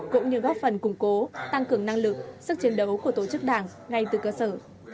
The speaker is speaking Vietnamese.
cũng như góp phần củng cố tăng cường năng lực sức chiến đấu của tổ chức đảng ngay từ cơ sở